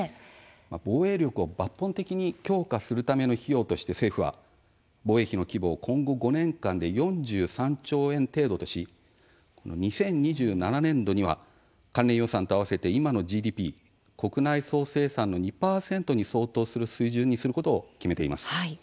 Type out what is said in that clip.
防衛力を抜本的に強化するための費用として政府は防衛費の規模を今後５年間で４３兆円程度とし２０２７年度には関連予算と合わせて今のＧＤＰ・国内総生産の２％に相当する水準にすることを決めています。